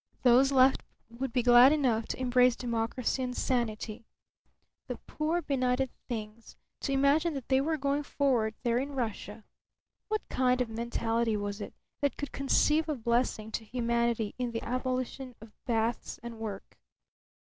Those left would be glad enough to embrace democracy and sanity. The poor benighted things, to imagine that they were going forward there in Russia! What kind of mentality was it that could conceive a blessing to humanity in the abolition of baths and work?